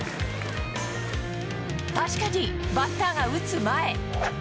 確かにバッターが打つ前。